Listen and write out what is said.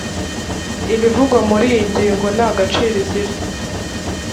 ibivugwa muri iyi ngingo nta gaciro igira